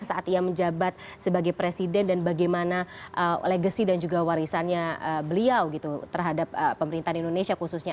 saat ia menjabat sebagai presiden dan bagaimana legacy dan juga warisannya beliau gitu terhadap pemerintahan indonesia khususnya